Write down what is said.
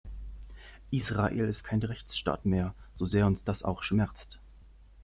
Israel ist kein Rechtsstaat mehr, so sehr uns das auch schmerzt.